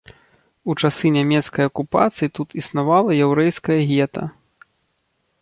У часы нямецкай акупацыі тут існавала яўрэйскае гета.